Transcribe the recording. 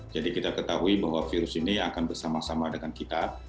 jadi kita ketahui bahwa virus ini akan bersama sama dengan kita